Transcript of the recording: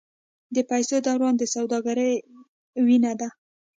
د پیسو دوران د سوداګرۍ وینه ده.